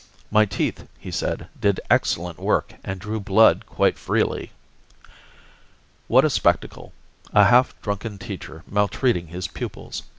My teeth, he said, did excellent work and drew blood quite freely. What a spectacle a half drunken teacher maltreating his pupils!